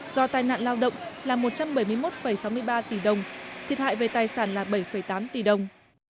do tai nạn lao động là một trăm bảy mươi một sáu mươi ba tỷ đồng thiệt hại về tài sản là bảy tám tỷ đồng